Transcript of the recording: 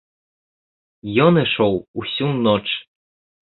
Ён ішоў усю ноч.